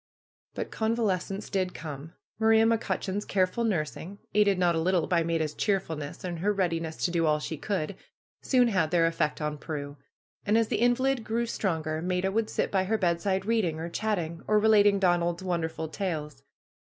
But convalescence did come. Maria McCutcheon's careful nursing, aided not a little by Maida's cheerful ness and her readiness to do all she could, soon had their effect on Prue. And as the invalid grew stronger Maida would sit by her bedside reading or chatting, or relating Donald's wonderful tales.